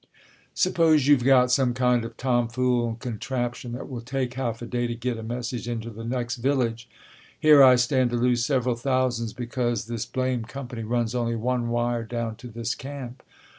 "Suppose you've got some kind of tom fool contraption that will take half a day to get a message into the next village. Here I stand to lose several thousands because this blame company runs only one wire down to this camp.